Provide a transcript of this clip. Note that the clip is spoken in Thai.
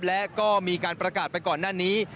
และก็มีการประกาศไปก่อนหน้านี้